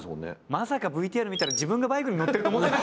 まさかＶＴＲ見たら自分がバイクに乗ってるとは思ってない。